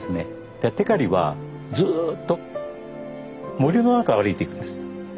だから光はずっと森の中を歩いていくんです。